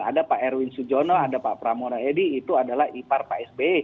ada pak erwin sujono ada pak pramona edi itu adalah ipar pak sbe